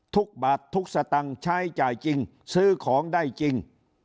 ทุกบาททุกสตางค์ใช้จ่ายจริงซื้อของได้จริง